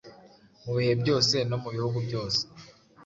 Mu bihe byose no mu bihugu byose,